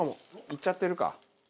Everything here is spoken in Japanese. いっちゃってるか？